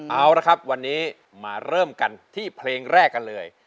เอาละครับวันนี้มาเริ่มกันที่เพลงแรกกันเลย